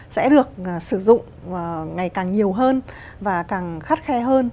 sẽ được sử dụng ngày càng nhiều hơn và càng khắt khe hơn